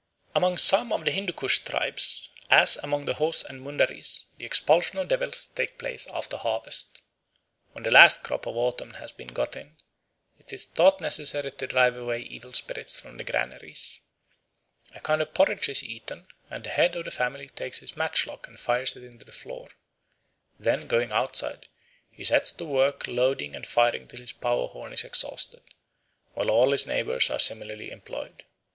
Amongst some of the Hindoo Koosh tribes, as among the Hos and Mundaris, the expulsion of devils takes place after harvest. When the last crop of autumn has been got in, it is thought necessary to drive away evil spirits from the granaries. A kind of porridge is eaten, and the head of the family takes his matchlock and fires it into the floor. Then, going outside, he sets to work loading and firing till his powder horn is exhausted, while all his neighbours are similarly employed.